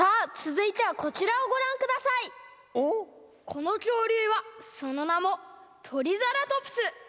このきょうりゅうはそのなもトリザラトプス！